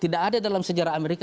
tidak ada dalam sejarah amerika